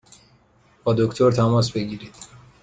با دکتر تماس بگیرید!